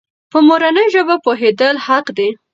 په مورنۍ ژبه پوهېدل حق دی.